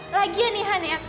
lagian ihan ya